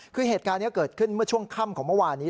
คือเหตุการณ์นี้เกิดขึ้นเมื่อช่วงค่ำของเมื่อวานนี้